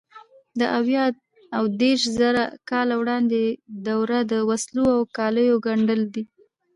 د اویا او دېرشزره کاله وړاندې دوره د وسلو او کالیو ګنډلو ده.